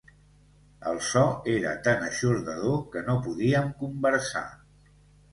El so era tan eixordador que no podíem conversar.